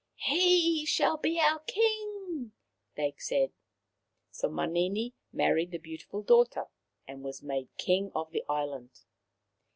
" He shall be our King," they said. So Manini married the beautiful daughter, and was made king of the island.